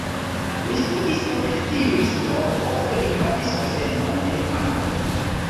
Li studis por esti juristo, poste li havis postenon en banko.